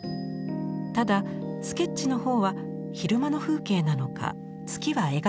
ただスケッチの方は昼間の風景なのか月は描かれていません。